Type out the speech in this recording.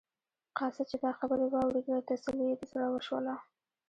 قاصد چې دا خبرې واورېدلې تسلي یې د زړه وشوله.